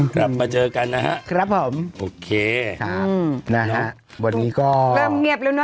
กลับมาเจอกันนะฮะครับผมโอเคครับนะฮะวันนี้ก็เริ่มเงียบแล้วเนอ